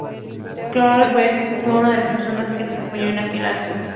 Clotario Blest fue una de las personas que las acompañó en aquel acto.